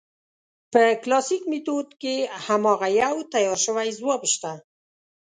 په کلاسیک میتود کې هماغه یو تیار شوی ځواب شته.